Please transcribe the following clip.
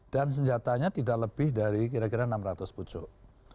dan senjatanya tidak lebih dari kira kira enam ratus bujuk